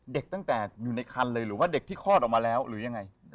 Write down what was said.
ตั้งแต่อยู่ในคันเลยหรือว่าเด็กที่คลอดออกมาแล้วหรือยังไง